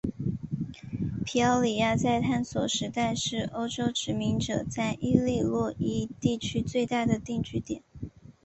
皮奥里亚在探索时代是欧洲殖民者在伊利诺伊地区最大的定居点。